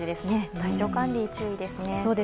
体調管理に注意ですね。